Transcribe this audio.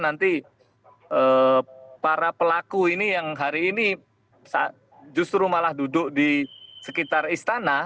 nanti para pelaku ini yang hari ini justru malah duduk di sekitar istana